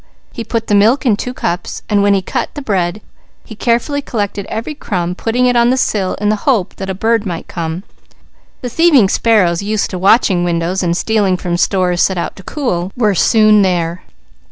He put the milk in two cups, and when he cut the bread, he carefully collected every crumb, putting it on the sill in the hope that a bird might come. The thieving sparrows, used to watching windows and stealing from stores set out to cool, were soon there.